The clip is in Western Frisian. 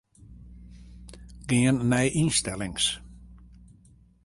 Gean nei ynstellings.